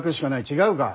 違うか。